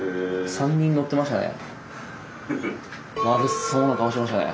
３人乗ってましたね。